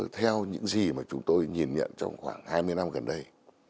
theo những gì mà chúng tôi nhìn nhận trong khoảng hai mươi năm gần đây